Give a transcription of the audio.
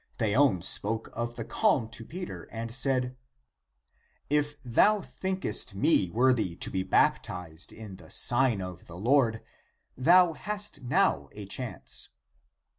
Theon spoke of the calm to Peter, and said, "If thou thinkest me worthy to be baptized in the sign of the Lord, thou hast now a chance."